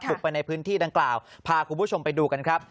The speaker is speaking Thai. ไปในพื้นที่ดังกล่าวพาคุณผู้ชมไปดูกันครับ